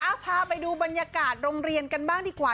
เอาพาไปดูบรรยากาศโรงเรียนกันบ้างดีกว่า